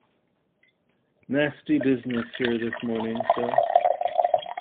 Nasty business here this morning, sir.